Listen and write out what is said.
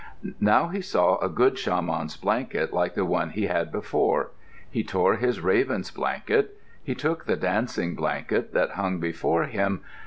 Now he saw a good shaman's blanket like the one he had before. He tore his raven's blanket. He took the dancing blanket that hung before him.